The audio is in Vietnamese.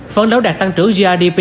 phấn đấu đạt tăng trưởng grdp